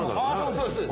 そうです。